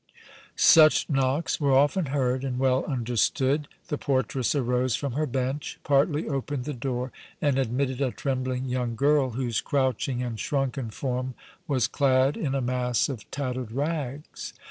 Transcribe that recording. Such knocks were often heard and well understood. The portress arose from her bench, partly opened the door and admitted a trembling young girl, whose crouching and shrunken form was clad in a mass of tattered rags.